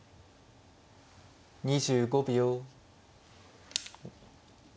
２５秒。